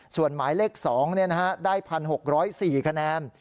ส่วนหมายเลข๒ได้๑๖๐๔คะแนน